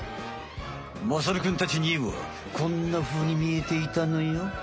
まさるくんたちにはこんなふうに見えていたのよ。